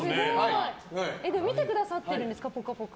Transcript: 見てくださってるんですか「ぽかぽか」。